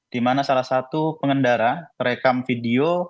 di mana salah satu pengendara merekam video